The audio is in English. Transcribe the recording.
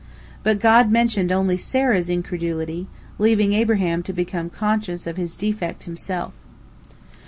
But God mentioned only Sarah's incredulity, leaving Abraham to become conscious of his defect himself.